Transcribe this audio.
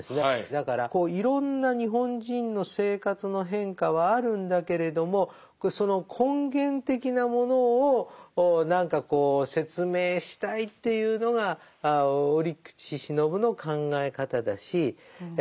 だからいろんな日本人の生活の変化はあるんだけれどもその根源的なものを何かこう説明したいっていうのが折口信夫の考え方だしあ